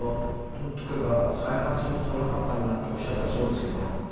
「取っとけば再発する事なかったのにな」っておっしゃったそうですけど。